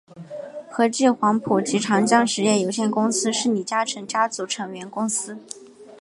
和记黄埔及长江实业有限公司是李嘉诚家族成员公司。